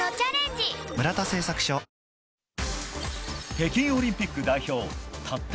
北京オリンピック代表たった